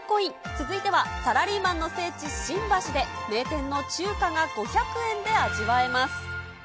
続いては、サラリーマンの聖地、新橋で、名店の中華が５００円で味わえます。